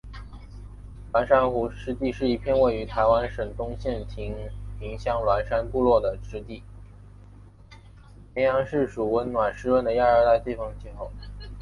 绵阳市属温暖湿润的亚热带季风气候。